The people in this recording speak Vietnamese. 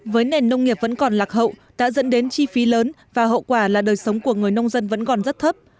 với nền nông nghiệp vẫn còn lạc hậu đã dẫn đến chi phí lớn và hậu quả là đời sống của người nông dân vẫn còn rất thấp